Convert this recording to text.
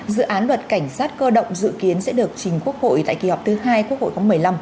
dự án luật cảnh sát cơ động dự kiến sẽ được trình quốc hội tại kỳ họp thứ hai quốc hội khóa một mươi năm